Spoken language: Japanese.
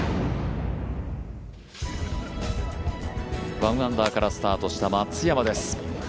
１アンダーからスタートした松山です。